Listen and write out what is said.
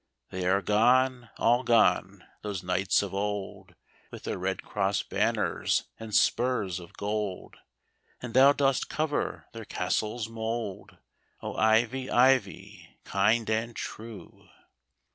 They are gone, all gone, those knights of old, With their red cross banners and spurs of gold. And thou dost cover their castle's mould, O, Ivy, Ivy, kind and true